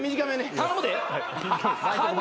頼むで。